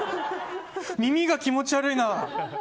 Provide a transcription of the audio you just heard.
耳が気持ち悪いな！